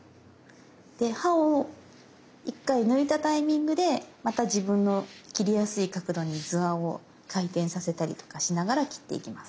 で刃を１回抜いたタイミングでまた自分の切りやすい角度に図案を回転させたりとかしながら切っていきます。